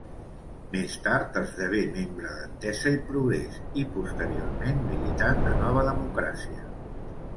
Més tard, esdevé membre d'Entesa i Progrés, i posteriorment, militant de Nova Democràcia.